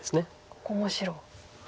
ここも白。